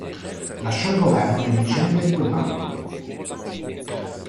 Lasciò il governo nel dicembre di quell'anno.